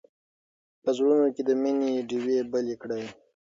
په زړونو کې د مینې ډېوې بلې کړئ.